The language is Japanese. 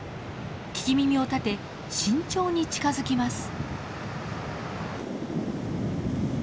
聞き耳を立て慎重に近づきます。